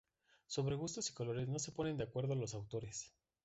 Sobre gustos y colores no se ponen de acuerdo los autores